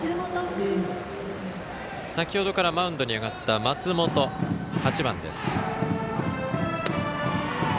先ほどからマウンドに上がった松本、８番です。